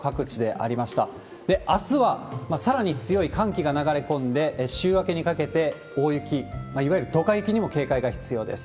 あすはさらに強い寒気が流れ込んで、週明けにかけて大雪、いわゆるドカ雪にも警戒が必要です。